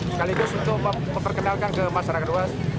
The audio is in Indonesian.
sekaligus untuk memperkenalkan ke masyarakat luas